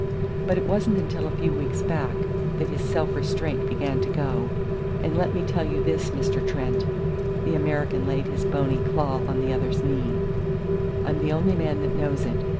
But it wasn't until a few weeks back that his self restraint began to go; and let me tell you this, Mr. Trent" the American laid his bony claw on the other's knee "I'm the only man that knows it.